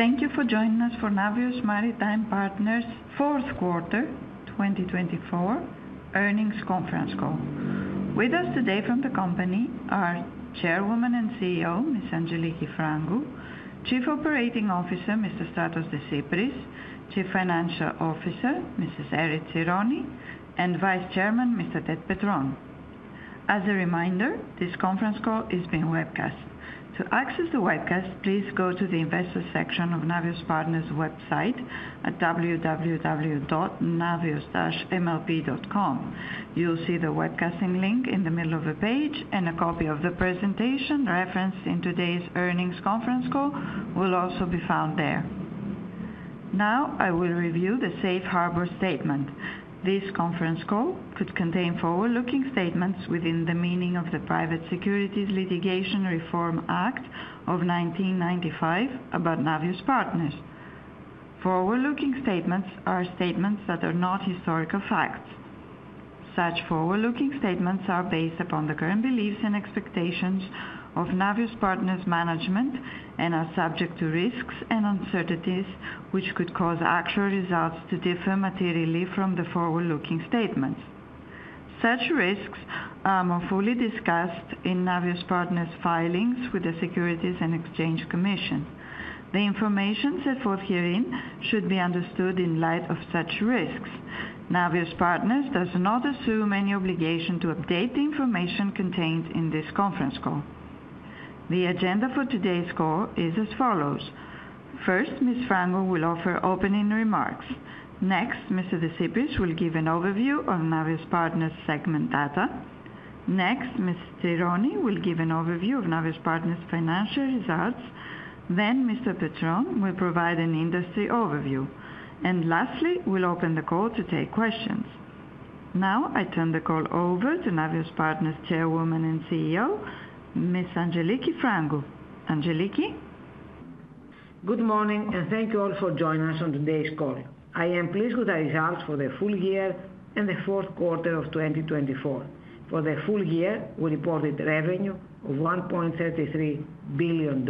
Thank you for joining us for Navios Maritime Partners Fourth Quarter 2024 Earnings Conference Call. With us today from the company are Chairwoman and CEO, Ms. Angeliki Frangou, Chief Operating Officer, Mr. Stratos Desypris, Chief Financial Officer, Mrs. Erifili Tsironi, and Vice Chairman, Mr. Ted Petrone. As a reminder, this conference call is being webcast. To access the webcast, please go to the investor section of Navios Partners' website at www.navios-mlp.com. You'll see the webcasting link in the middle of the page, and a copy of the presentation referenced in today's earnings conference call will also be found there. Now, I will review the Safe Harbor Statement. This conference call could contain forward-looking statements within the meaning of the Private Securities Litigation Reform Act of 1995 about Navios Partners. Forward-looking statements are statements that are not historical facts. Such forward-looking statements are based upon the current beliefs and expectations of Navios Partners' management and are subject to risks and uncertainties which could cause actual results to differ materially from the forward-looking statements. Such risks are more fully discussed in Navios Partners' filings with the Securities and Exchange Commission. The information set forth herein should be understood in light of such risks. Navios Partners does not assume any obligation to update the information contained in this conference call. The agenda for today's call is as follows. First, Ms. Frangou will offer opening remarks. Next, Mr. Desypris will give an overview of Navios Partners' segment data. Next, Ms. Tsironi will give an overview of Navios Partners' financial results. Then, Mr. Petrone will provide an industry overview. And lastly, we'll open the call to take questions. Now, I turn the call over to Navios Partners Chairwoman and CEO, Ms. Angeliki Frangou. Angeliki? Good morning, and thank you all for joining us on today's call. I am pleased with the results for the full year and the fourth quarter of 2024. For the full year, we reported revenue of $1.33 billion,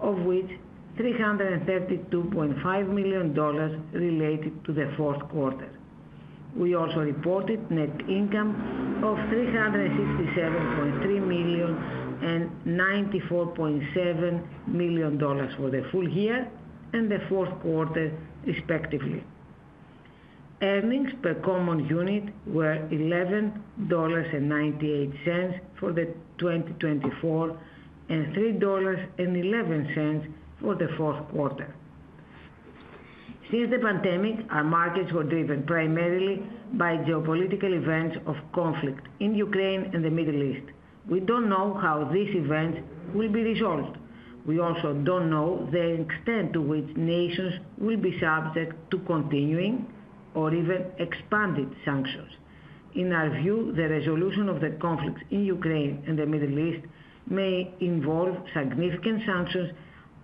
of which $332.5 million related to the fourth quarter. We also reported net income of $367.3 million and $94.7 million for the full year and the fourth quarter, respectively. Earnings per common unit were $11.98 for the 2024 and $3.11 for the fourth quarter. Since the pandemic, our markets were driven primarily by geopolitical events of conflict in Ukraine and the Middle East. We don't know how these events will be resolved. We also don't know the extent to which nations will be subject to continuing or even expanded sanctions. In our view, the resolution of the conflicts in Ukraine and the Middle East may involve significant sanctions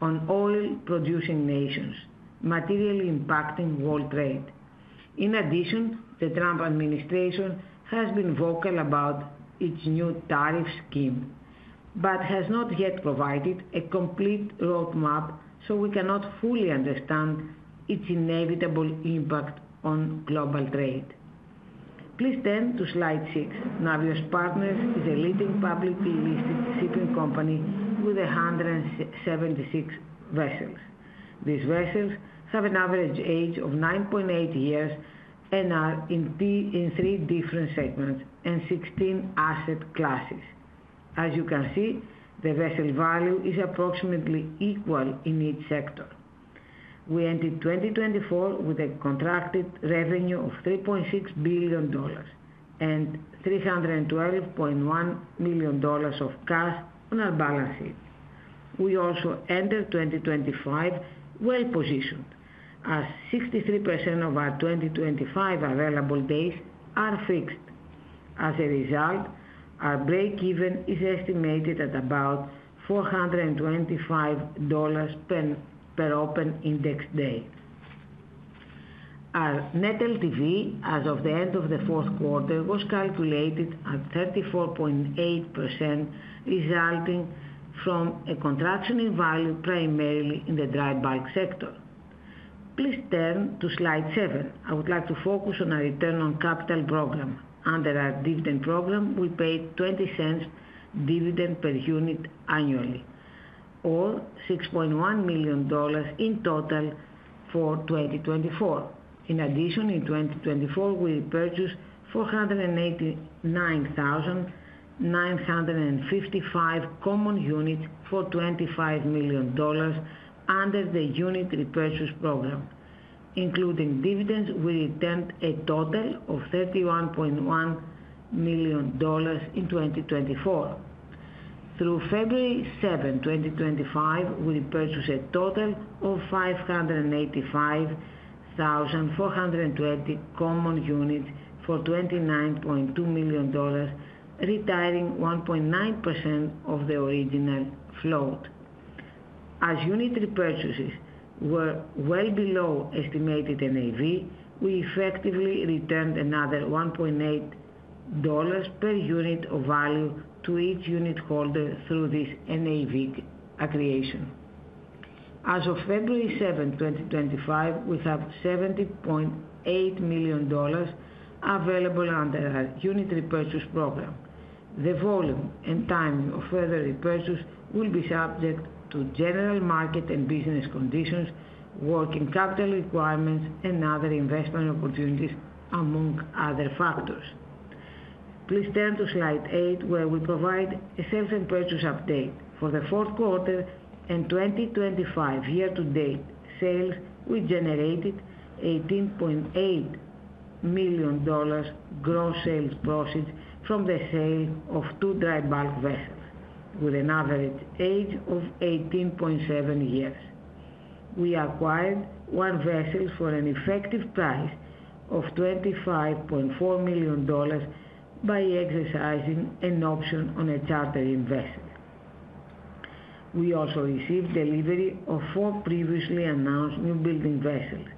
on oil-producing nations, materially impacting world trade. In addition, the Trump administration has been vocal about its new tariff scheme but has not yet provided a complete roadmap, so we cannot fully understand its inevitable impact on global trade. Please turn to slide 6. Navios Partners is a leading publicly listed shipping company with 176 vessels. These vessels have an average age of 9.8 years and are in three different segments and 16 asset classes. As you can see, the vessel value is approximately equal in each sector. We entered 2024 with a contracted revenue of $3.6 billion and $312.1 million of cash on our balance sheet. We also entered 2025 well-positioned, as 63% of our 2025 available days are fixed. As a result, our break-even is estimated at about $425 per Open Index Day. Our Net LTV, as of the end of the fourth quarter, was calculated at 34.8%, resulting from a contraction in value primarily in the dry bulk sector. Please turn to slide 7. I would like to focus on our return on capital program. Under our dividend program, we paid $0.20 dividend per unit annually, or $6.1 million in total for 2024. In addition, in 2024, we repurchased 489,955 common units for $25 million under the unit repurchase program. Including dividends, we returned a total of $31.1 million in 2024. Through February 7, 2025, we repurchased a total of 585,420 common units for $29.2 million, retiring 1.9% of the original float. As unit repurchases were well below estimated NAV, we effectively returned another $1.8 per unit of value to each unit holder through this NAV accretion. As of February 7, 2025, we have $70.8 million available under our unit repurchase program. The volume and timing of further repurchase will be subject to general market and business conditions, working capital requirements, and other investment opportunities, among other factors. Please turn to slide 8, where we provide a sales and purchase update. For the fourth quarter and 2025 year-to-date sales, we generated $18.8 million gross sales profit from the sale of two dry bulk vessels, with an average age of 18.7 years. We acquired one vessel for an effective price of $25.4 million by exercising an option on a chartering vessel. We also received delivery of four previously announced newbuilding vessels,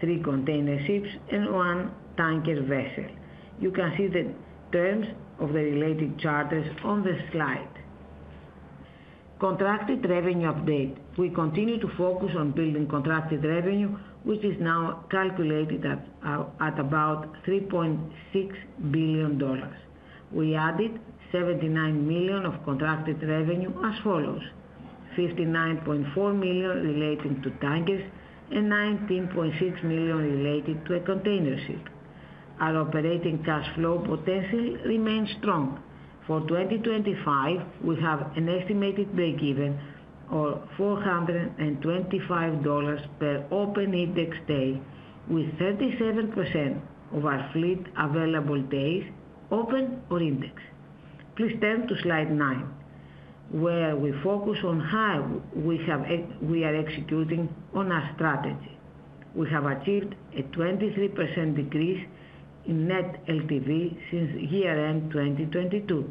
three container ships, and one tanker vessel. You can see the terms of the related charters on the slide. Contracted revenue update. We continue to focus on building contracted revenue, which is now calculated at about $3.6 billion. We added $79 million of contracted revenue as follows: $59.4 million relating to tankers and $19.6 million related to a container ship. Our operating cash flow potential remains strong. For 2025, we have an estimated break-even of $425 per Open Index Day, with 37% of our fleet available days open or indexed. Please turn to slide 9, where we focus on how we are executing on our strategy. We have achieved a 23% decrease in Net LTV since year-end 2022.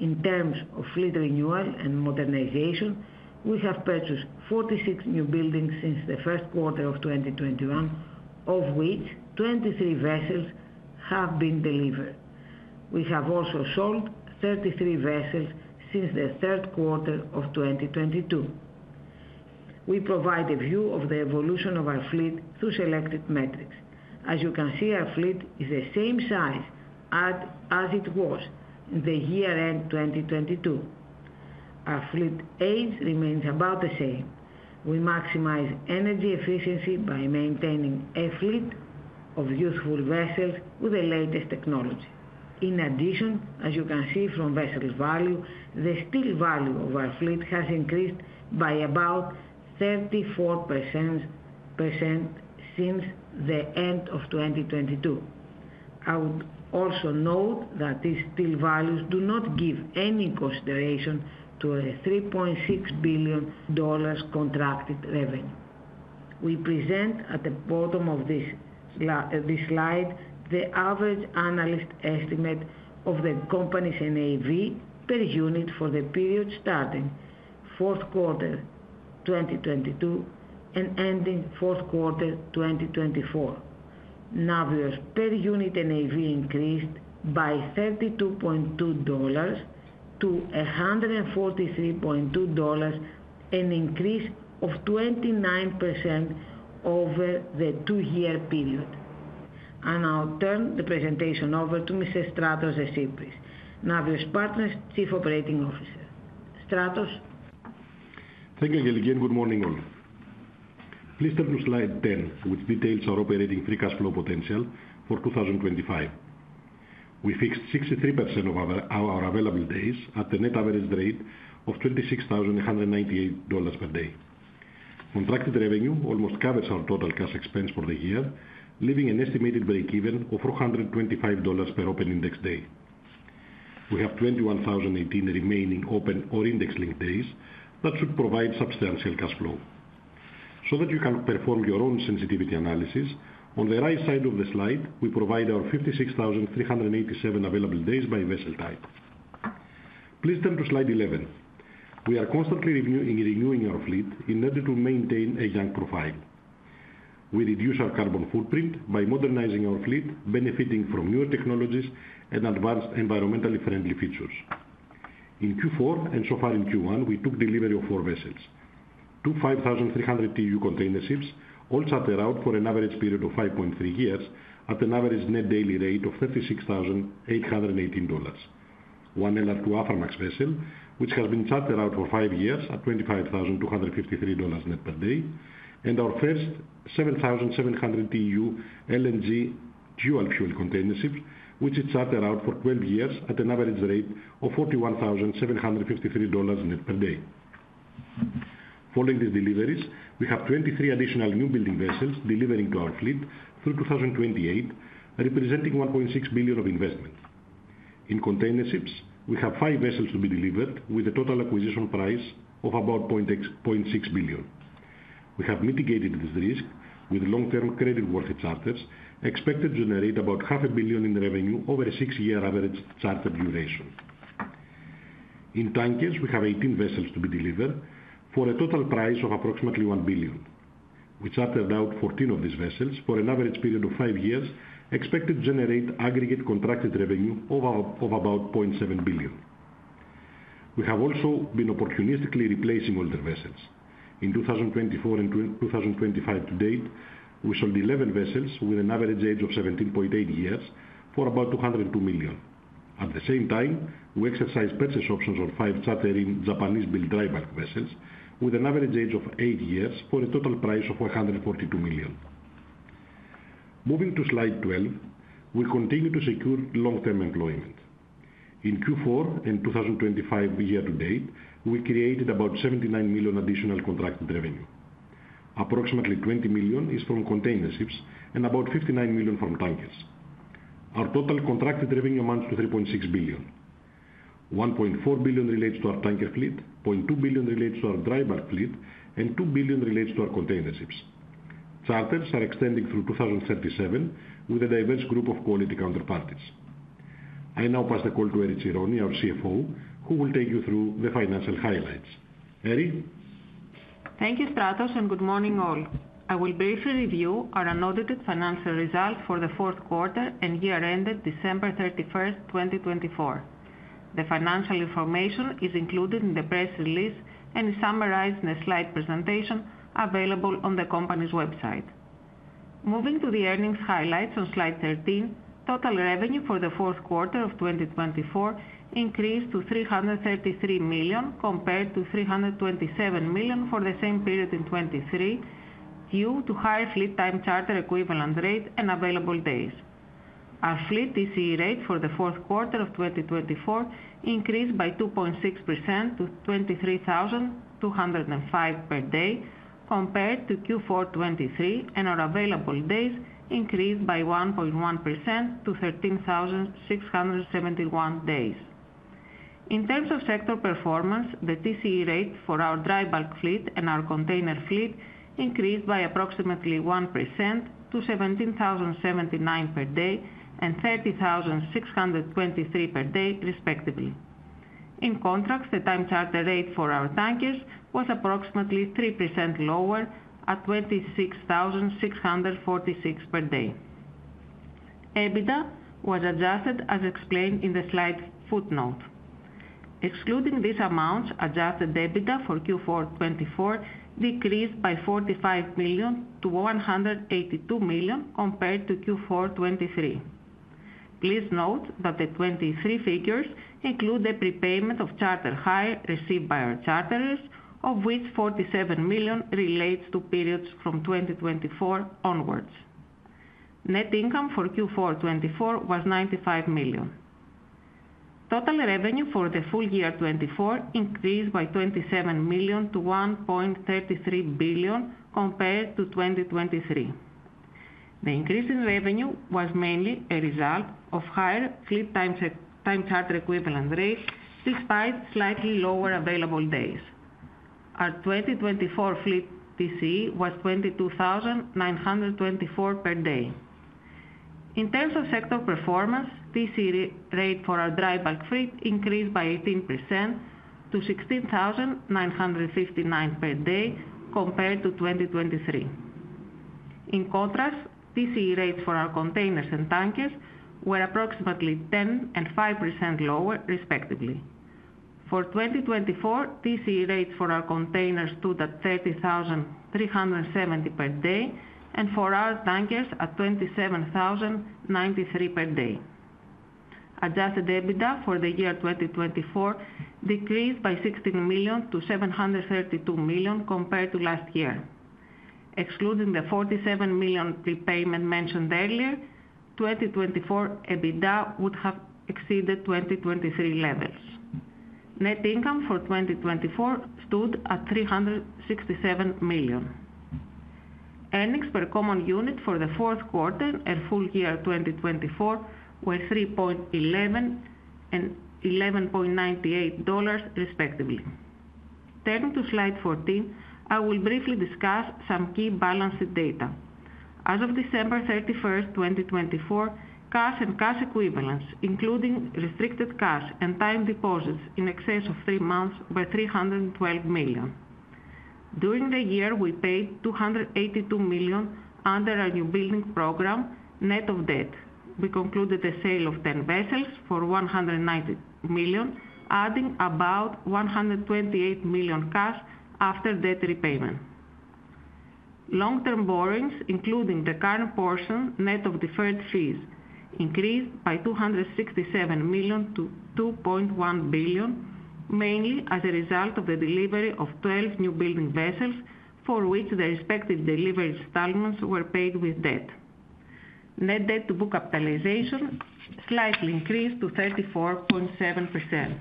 In terms of fleet renewal and modernization, we have purchased 46 newbuildings since the first quarter of 2021, of which 23 vessels have been delivered. We have also sold 33 vessels since the third quarter of 2022. We provide a view of the evolution of our fleet through selected metrics. As you can see, our fleet is the same size as it was in the year-end 2022. Our fleet age remains about the same. We maximize energy efficiency by maintaining a fleet of useful vessels with the latest technology. In addition, as you can see from vessel value, the steel value of our fleet has increased by about 34% since the end of 2022. I would also note that these steel values do not give any consideration to a $3.6 billion contracted revenue. We present at the bottom of this slide the average analyst estimate of the company's NAV per unit for the period starting fourth quarter 2022 and ending fourth quarter 2024. Navios' per unit NAV increased by $32.2 to $143.2, an increase of 29% over the two-year period, and I'll turn the presentation over to Mr. Stratos Desypris, Navios Partners Chief Operating Officer. Stratos? Thank you, Angeliki, and good morning, all. Please turn to slide 10, which details our operating free cash flow potential for 2025. We fixed 63% of our available days at a net average rate of $26,198 per day. Contracted revenue almost covers our total cash expense for the year, leaving an estimated break-even of $425 per open index day. We have 21,018 remaining open or index link days that should provide substantial cash flow. So that you can perform your own sensitivity analysis, on the right side of the slide, we provide our 56,387 available days by vessel type. Please turn to slide 11. We are constantly renewing our fleet in order to maintain a young profile. We reduce our carbon footprint by modernizing our fleet, benefiting from newer technologies and advanced environmentally friendly features. In Q4, and so far in Q1, we took delivery of four vessels, two 5,300 TEU container ships, all chartered out for an average period of 5.3 years at an average net daily rate of $36,818, one LR2 Aframax vessel, which has been chartered out for five years at $25,253 net per day, and our first 7,700 TEU LNG dual fuel container ship, which is chartered out for 12 years at an average rate of $41,753 net per day. Following these deliveries, we have 23 additional new building vessels delivering to our fleet through 2028, representing $1.6 billion of investment. In container ships, we have five vessels to be delivered with a total acquisition price of about $0.6 billion. We have mitigated this risk with long-term creditworthy charters expected to generate about $500 million in revenue over a six-year average charter duration. In tankers, we have 18 vessels to be delivered for a total price of approximately $1 billion. We chartered out 14 of these vessels for an average period of five years expected to generate aggregate contracted revenue of about $0.7 billion. We have also been opportunistically replacing older vessels. In 2024 and 2025 to date, we sold 11 vessels with an average age of 17.8 years for about $202 million. At the same time, we exercised purchase options on five chartered Japanese-built dry bulk vessels with an average age of eight years for a total price of $142 million. Moving to slide 12, we continue to secure long-term employment. In Q4 and 2025 year-to-date, we created about $79 million additional contracted revenue. Approximately $20 million is from container ships and about $59 million from tankers. Our total contracted revenue amounts to $3.6 billion. $1.4 billion relates to our tanker fleet, $0.2 billion relates to our dry bulk fleet, and $2 billion relates to our container ships. Charters are extending through 2037 with a diverse group of quality counterparties. I now pass the call to Eri Tsironi, our CFO, who will take you through the financial highlights. Eri? Thank you, Stratos, and good morning, all. I will briefly review our annotated financial results for the fourth quarter and year-ended December 31, 2024. The financial information is included in the press release and is summarized in a slide presentation available on the company's website. Moving to the earnings highlights on slide 13, total revenue for the fourth quarter of 2024 increased to $333 million compared to $327 million for the same period in 2023 due to higher fleet time charter equivalent rate and available days. Our fleet TCE rate for the fourth quarter of 2024 increased by 2.6% to $23,205 per day compared to Q4 2023, and our available days increased by 1.1% to 13,671 days. In terms of sector performance, the TCE rate for our dry bulk fleet and our container fleet increased by approximately 1% to 17,079 per day and 30,623 per day, respectively. In contrast, the time charter rate for our tankers was approximately 3% lower at 26,646 per day. EBITDA was adjusted, as explained in the slide footnote. Excluding these amounts, adjusted EBITDA for Q4 2024 decreased by $45 million to $182 million compared to Q4 2023. Please note that the 2023 figures include the prepayment of charter hire received by our charterers, of which $47 million relates to periods from 2024 onwards. Net income for Q4 2024 was $95 million. Total revenue for the full year 2024 increased by $27 million to $1.33 billion compared to 2023. The increase in revenue was mainly a result of higher fleet time charter equivalent rate despite slightly lower available days. Our 2024 fleet TCE was $22,924 per day. In terms of sector performance, TCE rate for our dry bulk fleet increased by 18% to $16,959 per day compared to 2023. In contrast, TCE rates for our containers and tankers were approximately 10% and 5% lower, respectively. For 2024, TCE rates for our containers stood at $30,370 per day, and for our tankers, at $27,093 per day. Adjusted EBITDA for the year 2024 decreased by $16 million to $732 million compared to last year. Excluding the $47 million prepayment mentioned earlier, 2024 EBITDA would have exceeded 2023 levels. Net income for 2024 stood at $367 million. Earnings per common unit for the fourth quarter and full year 2024 were $3.11 and $11.98, respectively. Turning to slide 14, I will briefly discuss some key balance data. As of December 31, 2024, cash and cash equivalents, including restricted cash and time deposits in excess of three months, were $312 million. During the year, we paid $282 million under our new building program, net of debt. We concluded the sale of 10 vessels for $190 million, adding about $128 million cash after debt repayment. Long-term borrowings, including the current portion, net of deferred fees, increased by $267 million to $2.1 billion, mainly as a result of the delivery of 12 new building vessels, for which the respective delivery installments were paid with debt. Net debt to book capitalization slightly increased to 34.7%.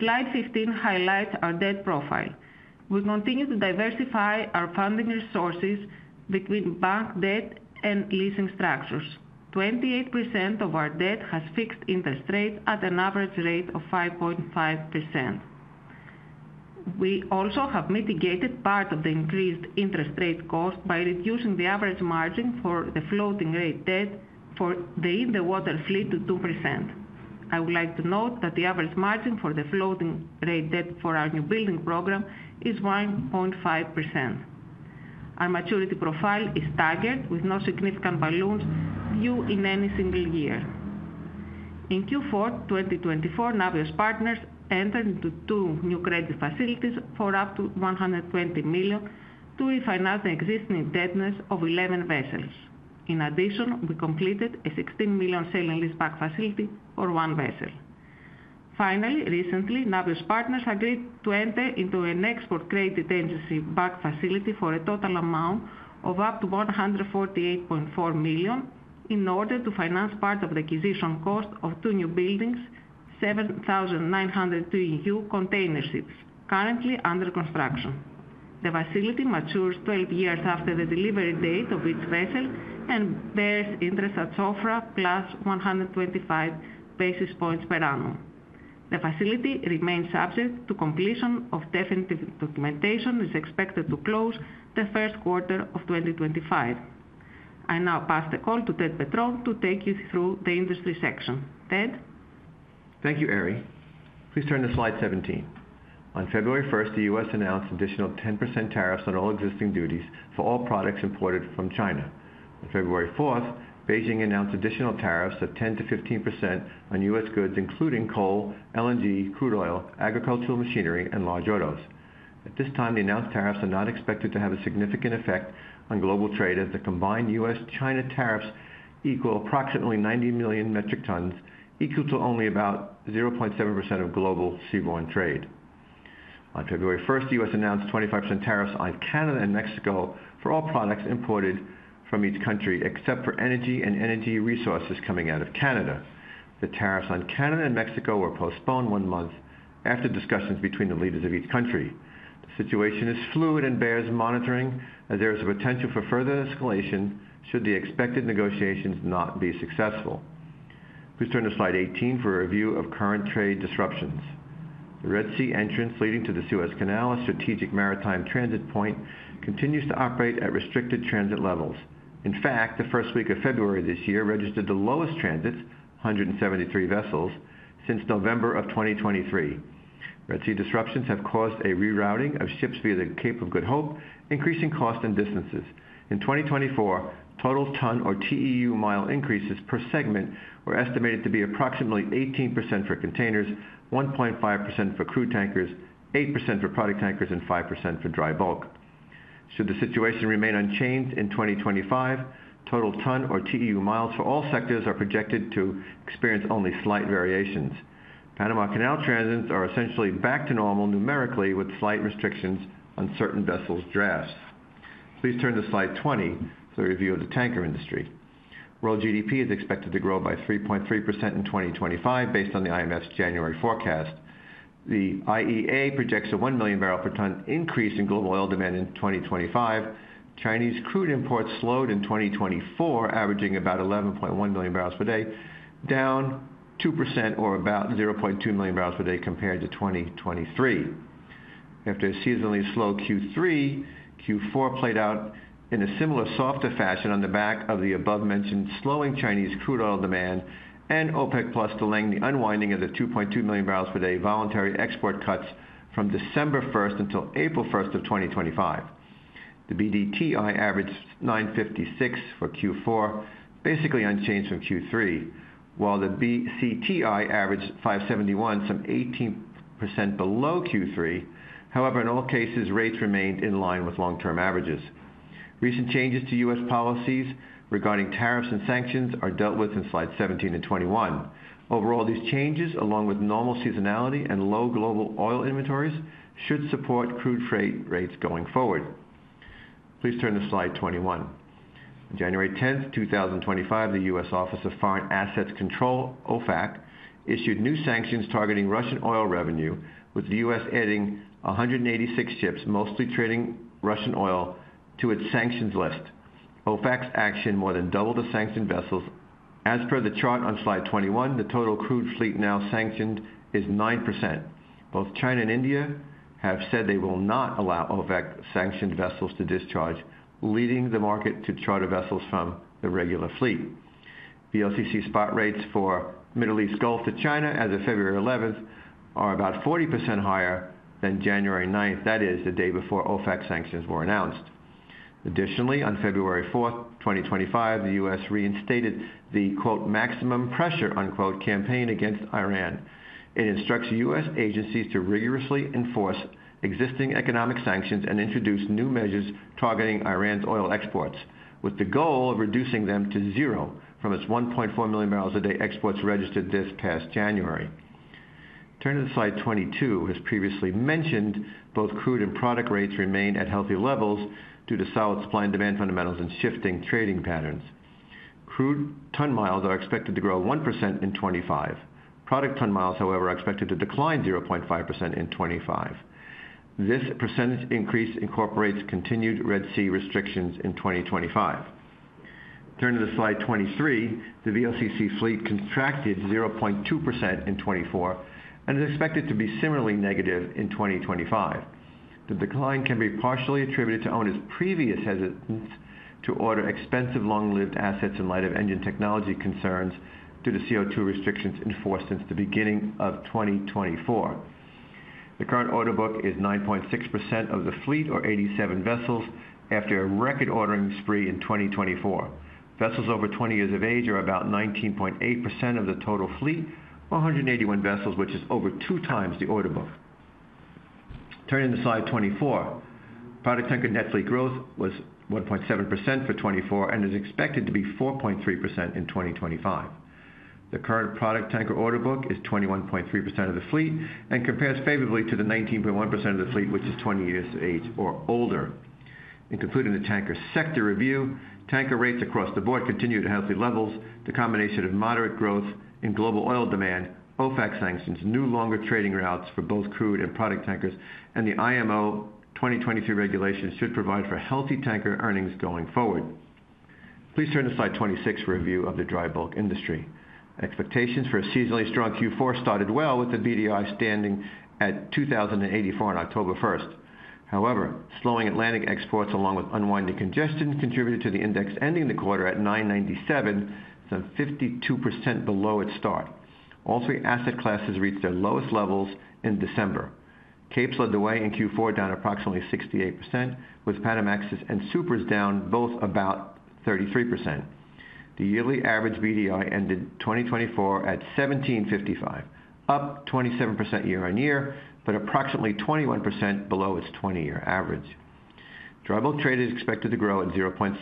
Slide 15 highlights our debt profile. We continue to diversify our funding resources between bank debt and leasing structures. 28% of our debt has fixed interest rate at an average rate of 5.5%. We also have mitigated part of the increased interest rate cost by reducing the average margin for the floating rate debt for the in-the-water fleet to 2%. I would like to note that the average margin for the floating rate debt for our new building program is 1.5%. Our maturity profile is staggered, with no significant balloons due in any single year. In Q4 2024, Navios Partners entered into two new credit facilities for up to $120 million to refinance the existing indebtedness of 11 vessels. In addition, we completed a $16 million sale and lease back facility for one vessel. Finally, recently, Navios Partners agreed to enter into an export credit agency-backed facility for a total amount of up to $148.4 million in order to finance part of the acquisition cost of two newbuildings, 7,902 TEU container ships, currently under construction. The facility matures 12 years after the delivery date of each vessel and bears interest at SOFR plus 125 basis points per annum. The facility remains subject to completion of definitive documentation and is expected to close the first quarter of 2025. I now pass the call to Ted Petrone to take you through the industry section. Ted? Thank you, Eri. Please turn to slide 17. On February 1st, the U.S. announced additional 10% tariffs on all existing duties for all products imported from China. On February 4th, Beijing announced additional tariffs of 10% to 15% on U.S. goods, including coal, LNG, crude oil, agricultural machinery, and large autos. At this time, the announced tariffs are not expected to have a significant effect on global trade as the combined U.S.-China tariffs equal approximately 90 million metric tons, equal to only about 0.7% of global seaborne trade. On February 1st, the U.S. announced 25% tariffs on Canada and Mexico for all products imported from each country except for energy and energy resources coming out of Canada. The tariffs on Canada and Mexico were postponed one month after discussions between the leaders of each country. The situation is fluid and bears monitoring, as there is a potential for further escalation should the expected negotiations not be successful. Please turn to slide 18 for a review of current trade disruptions. The Red Sea entrance leading to the Suez Canal, a strategic maritime transit point, continues to operate at restricted transit levels. In fact, the first week of February this year registered the lowest transits, 173 vessels, since November of 2023. Red Sea disruptions have caused a rerouting of ships via the Cape of Good Hope, increasing costs and distances. In 2024, total ton or TEU mile increases per segment were estimated to be approximately 18% for containers, 1.5% for crude tankers, 8% for product tankers, and 5% for dry bulk. Should the situation remain unchanged in 2025, total ton or TEU miles for all sectors are projected to experience only slight variations. Panama Canal transits are essentially back to normal numerically, with slight restrictions on certain vessels' drafts. Please turn to slide 20 for a review of the tanker industry. World GDP is expected to grow by 3.3% in 2025, based on the IMF's January forecast. The IEA projects a one million barrels per day increase in global oil demand in 2025. Chinese crude imports slowed in 2024, averaging about 11.1 million barrels per day, down 2% or about 0.2 million barrels per day compared to 2023. After a seasonally slow Q3, Q4 played out in a similar softer fashion on the back of the above-mentioned slowing Chinese crude oil demand and OPEC Plus delaying the unwinding of the 2.2 million barrels per day voluntary export cuts from December 1st until April 1st of 2025. The BDTI averaged 956 for Q4, basically unchanged from Q3, while the BCTI averaged 571, some 18% below Q3. However, in all cases, rates remained in line with long-term averages. Recent changes to U.S. policies regarding tariffs and sanctions are dealt with in slides 17 and 21. Overall, these changes, along with normal seasonality and low global oil inventories, should support crude freight rates going forward. Please turn to slide 21. On January 10th, 2025, the U.S. Office of Foreign Assets Control, OFAC, issued new sanctions targeting Russian oil revenue, with the U.S. adding 186 ships, mostly trading Russian oil, to its sanctions list. OFAC's action more than doubled the sanctioned vessels. As per the chart on slide 21, the total crude fleet now sanctioned is 9%. Both China and India have said they will not allow OFAC-sanctioned vessels to discharge, leading the market to charter vessels from the regular fleet. VLCC spot rates for Middle East Gulf to China as of February 11th are about 40% higher than January 9th, that is, the day before OFAC sanctions were announced. Additionally, on February 4th, 2025, the U.S. reinstated the "maximum pressure" campaign against Iran. It instructs U.S. agencies to rigorously enforce existing economic sanctions and introduce new measures targeting Iran's oil exports, with the goal of reducing them to zero from its 1.4 million barrels a day exports registered this past January. Turning to slide 22, as previously mentioned, both crude and product rates remain at healthy levels due to solid supply and demand fundamentals and shifting trading patterns. Crude ton miles are expected to grow 1% in 2025. Product ton miles, however, are expected to decline 0.5% in 2025. This percentage increase incorporates continued Red Sea restrictions in 2025. Turning to slide 23, the VLCC fleet contracted 0.2% in 2024 and is expected to be similarly negative in 2025. The decline can be partially attributed to owners' previous hesitance to order expensive, long-lived assets in light of engine technology concerns due to CO2 restrictions enforced since the beginning of 2024. The current order book is 9.6% of the fleet, or 87 vessels, after a record ordering spree in 2024. Vessels over 20 years of age are about 19.8% of the total fleet, or 181 vessels, which is over two times the order book. Turning to slide 24, product tanker net fleet growth was 1.7% for 2024 and is expected to be 4.3% in 2025. The current product tanker order book is 21.3% of the fleet and compares favorably to the 19.1% of the fleet, which is 20 years of age or older. In concluding the tanker sector review, tanker rates across the board continue at healthy levels. The combination of moderate growth in global oil demand, OFAC sanctions, new longer trading routes for both crude and product tankers, and the IMO 2023 regulation should provide for healthy tanker earnings going forward. Please turn to slide 26 for a review of the dry bulk industry. Expectations for a seasonally strong Q4 started well, with the BDI standing at 2,084 on October 1st. However, slowing Atlantic exports, along with unwinding congestion, contributed to the index ending the quarter at 997, some 52% below its start. All three asset classes reached their lowest levels in December. Capesize slid the way in Q4, down approximately 68%, with Panamaxes and Supras down both about 33%. The yearly average BDI ended 2024 at 1,755, up 27% year on year, but approximately 21% below its 20-year average. Dry bulk trade is expected to grow at 0.6%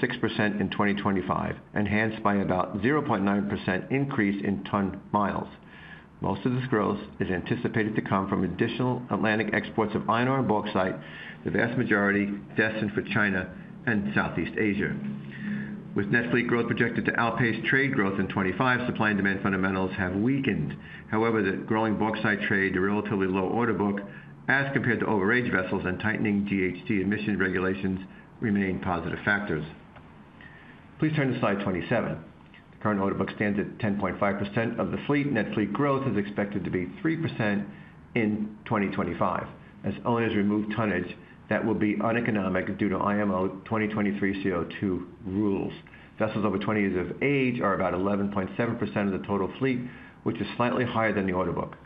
in 2025, enhanced by about 0.9% increase in ton miles. Most of this growth is anticipated to come from additional Atlantic exports of iron ore and bauxite, the vast majority destined for China and Southeast Asia. With net fleet growth projected to outpace trade growth in 2025, supply and demand fundamentals have weakened. However, the growing bauxite trade, the relatively low order book, as compared to older vessels and tightening GHG emission regulations, remain positive factors. Please turn to slide 27. The current order book stands at 10.5% of the fleet. Net fleet growth is expected to be 3% in 2025, as owners remove tonnage that will be uneconomic due to IMO 2023 CO2 rules. Vessels over 20 years of age are about 11.7% of the total fleet, which is slightly higher than the order book.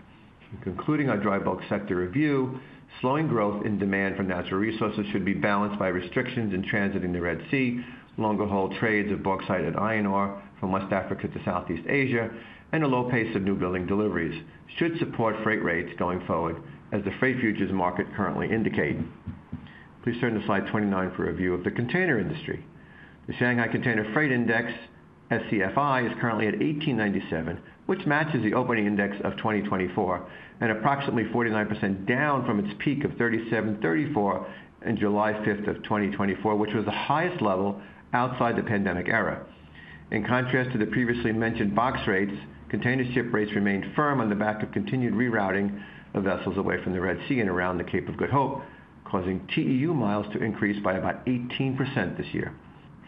In concluding our dry bulk sector review, slowing growth in demand for natural resources should be balanced by restrictions in transiting the Red Sea, longer haul trades of bauxite and iron ore from West Africa to Southeast Asia, and a low pace of new building deliveries should support freight rates going forward, as the freight futures market currently indicate. Please turn to slide 29 for a review of the container industry. The Shanghai Container Freight Index, SCFI, is currently at 1,897, which matches the opening index of 2024 and approximately 49% down from its peak of 3,734 on July 5th of 2024, which was the highest level outside the pandemic era. In contrast to the previously mentioned box rates, container ship rates remain firm on the back of continued rerouting of vessels away from the Red Sea and around the Cape of Good Hope, causing TEU miles to increase by about 18% this year.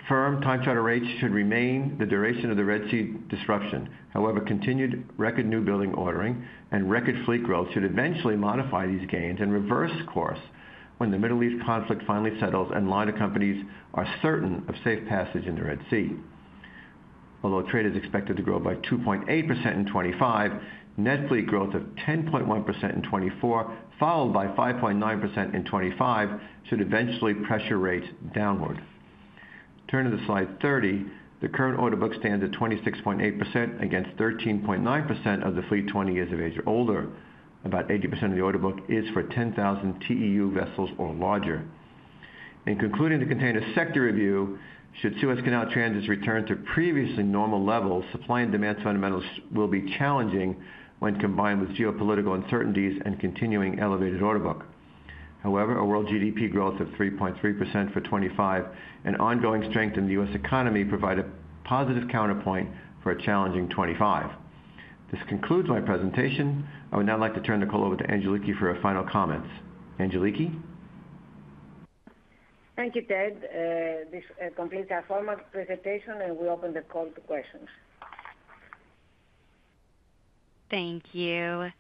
Firm time charter rates should remain the duration of the Red Sea disruption. However, continued record new building ordering and record fleet growth should eventually modify these gains and reverse course when the Middle East conflict finally settles and liner companies are certain of safe passage in the Red Sea. Although trade is expected to grow by 2.8% in 2025, net fleet growth of 10.1% in 2024, followed by 5.9% in 2025, should eventually pressure rates downward. Turning to slide 30, the current order book stands at 26.8% against 13.9% of the fleet 20 years of age or older. About 80% of the order book is for 10,000 TEU vessels or larger. In concluding the container sector review, should Suez Canal transits return to previously normal levels, supply and demand fundamentals will be challenging when combined with geopolitical uncertainties and continuing elevated order book. However, a world GDP growth of 3.3% for 2025 and ongoing strength in the U.S. economy provide a positive counterpoint for a challenging 2025. This concludes my presentation. I would now like to turn the call over to Angeliki for her final comments. Angeliki? Thank you, Ted. This completes our formal presentation, and we open the call to questions. Thank you.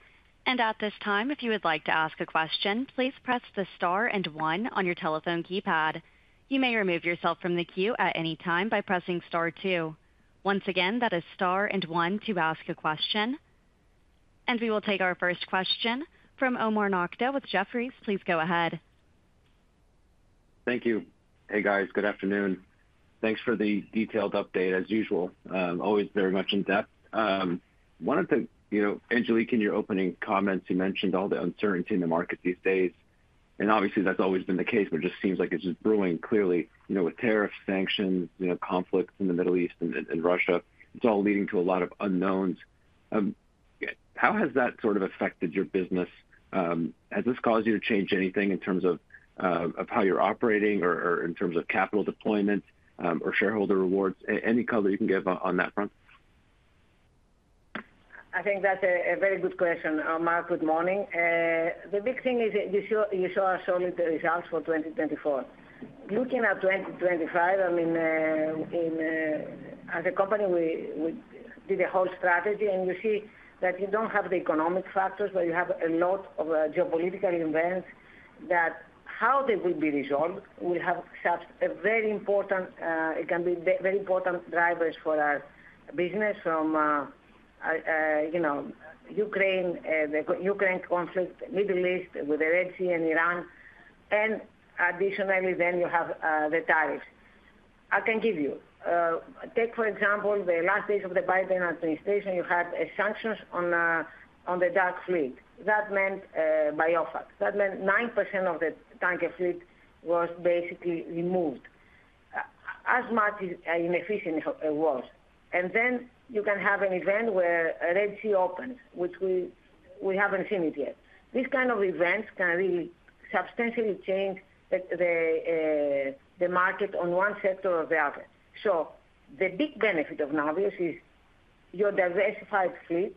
And at this time, if you would like to ask a question, please press the star and one on your telephone keypad. You may remove yourself from the queue at any time by pressing star two. Once again, that is star and one to ask a question. And we will take our first question from Omar Nokta with Jefferies. Please go ahead. Thank you. Hey, guys. Good afternoon. Thanks for the detailed update, as usual. Always very much in depth. One of the, you know, Angeliki, in your opening comments, you mentioned all the uncertainty in the market these days. And obviously, that's always been the case, but it just seems like it's just brewing clearly, you know, with tariffs, sanctions, you know, conflict in the Middle East and Russia. It's all leading to a lot of unknowns. How has that sort of affected your business? Has this caused you to change anything in terms of how you're operating or in terms of capital deployment or shareholder rewards? Any color you can give on that front? I think that's a very good question. Omar, good morning. The big thing is you saw our solid results for 2024. Looking at 2025, I mean, as a company, we did a whole strategy, and you see that you don't have the economic factors, but you have a lot of geopolitical events that, how they will be resolved, will have a very important, it can be very important drivers for our business from, you know, Ukraine, the Ukraine conflict, Middle East with the Red Sea and Iran, and additionally, then you have the tariffs. I can give you, take for example, the last days of the Biden administration, you had sanctions on the Dark Fleet. That meant by OFAC, that meant 9% of the tanker fleet was basically removed, as much inefficient as it was. And then you can have an event where Red Sea opens, which we haven't seen it yet. This kind of events can really substantially change the market on one sector or the other. So the big benefit of Navios is your diversified fleet.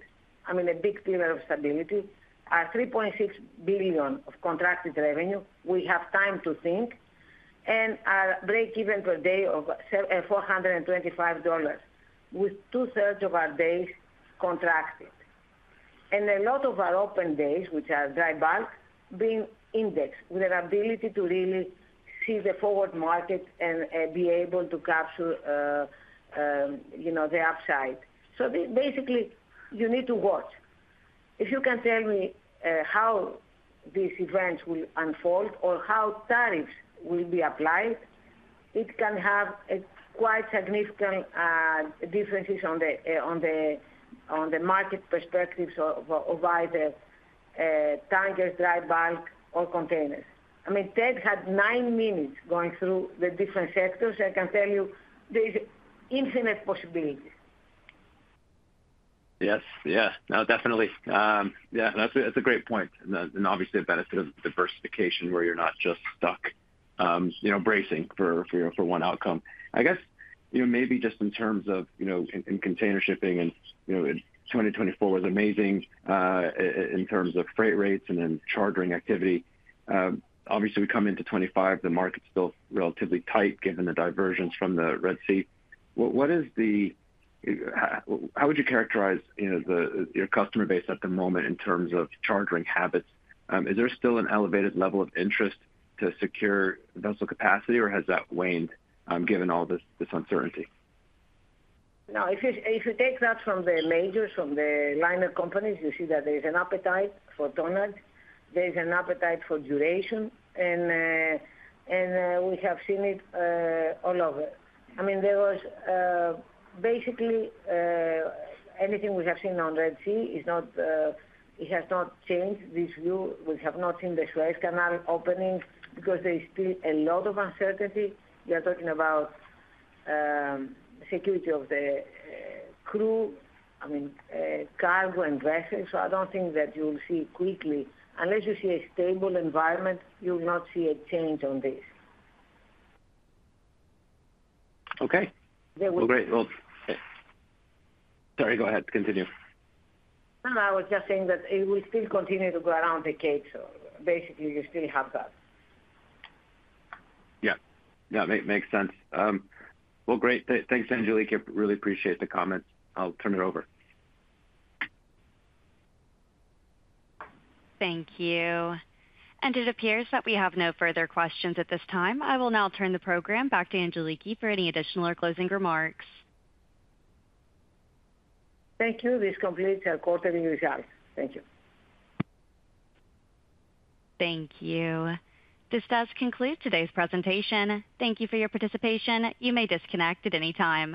I mean, a big deal of stability, our $3.6 billion of contracted revenue. We have time to think and our break even per day of $425, with two-thirds of our days contracted. And a lot of our open days, which are dry bulk, being indexed with an ability to really see the forward market and be able to capture, you know, the upside. So basically, you need to watch. If you can tell me how these events will unfold or how tariffs will be applied, it can have quite significant differences on the market perspectives of either tankers, dry bulk, or containers. I mean, Ted had nine minutes going through the different sectors. I can tell you there's infinite possibilities. Yes. Yeah. No, definitely. Yeah. That's a great point and obviously, a benefit of diversification where you're not just stuck, you know, bracing for one outcome. I guess, you know, maybe just in terms of, you know, in container shipping and, you know, 2024 was amazing in terms of freight rates and then chartering activity. Obviously, we come into 2025, the market's still relatively tight given the diversions from the Red Sea. How would you characterize, you know, your customer base at the moment in terms of chartering habits? Is there still an elevated level of interest to secure vessel capacity, or has that waned given all this uncertainty? Now, if you take that from the majors, from the liner companies, you see that there's an appetite for tonnage. There's an appetite for duration, and we have seen it all over. I mean, there was basically anything we have seen on Red Sea is not--it has not changed this view. We have not seen the Suez Canal opening because there is still a lot of uncertainty. You're talking about security of the crew, I mean, cargo and vessels. So I don't think that you'll see quickly. Unless you see a stable environment, you will not see a change on this. Okay. Well, great. Well, sorry, go ahead. Continue. No, no. I was just saying that it will still continue to go around the Cape. So basically, you still have that. Yeah. Yeah. Makes sense. Well, great. Thanks, Angeliki. Really appreciate the comments. I'll turn it over. Thank you. It appears that we have no further questions at this time. I will now turn the program back to Angeliki for any additional or closing remarks. Thank you. This completes our quarterly results. Thank you. Thank you. This does conclude today's presentation. Thank you for your participation. You may disconnect at any time.